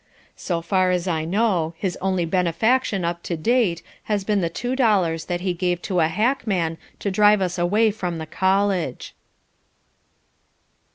So far as I know, his only benefaction up to date has been the two dollars that he gave to a hackman to drive us away from the college.